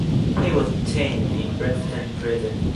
He was detained in Brixton Prison.